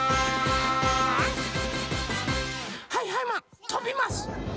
はいはいマンとびます！